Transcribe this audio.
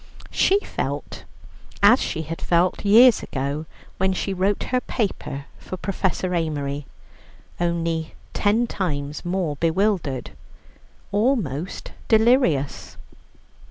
She felt as she had felt years ago, when she wrote her paper for Professor Amery, only ten times more bewildered, almost delirious.